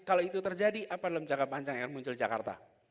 kalau itu terjadi apa dalam jangka panjang yang akan muncul di jakarta